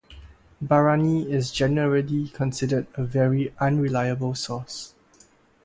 Barani is generally considered a very unreliable source.